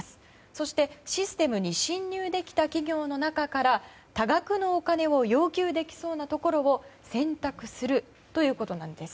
そして、システムに侵入できた企業の中から多額のお金を要求できそうなところを選択するということなんです。